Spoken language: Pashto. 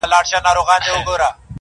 ښه عمل د لاري مل ضرب المثل دی؛